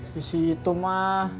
di situ ma